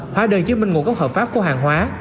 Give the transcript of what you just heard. hóa đơn chứng minh nguồn gốc hợp pháp của hàng hóa